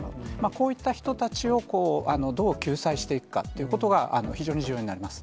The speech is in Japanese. こういった人たちをどう救済していくかということが、非常に重要になります。